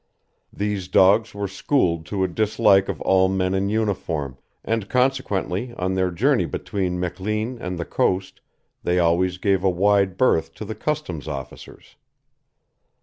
These dogs were schooled to a dislike of all men in uniform, and consequently on their journey between Mechlin and the coast they always gave a wide berth to the Customs officers.